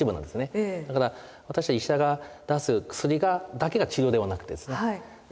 だから医者が出す薬だけが治療ではなくてですね